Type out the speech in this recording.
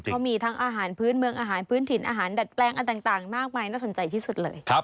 เขามีทั้งอาหารพื้นเมืองอาหารพื้นถิ่นอาหารดัดแปลงอันต่างมากมายน่าสนใจที่สุดเลย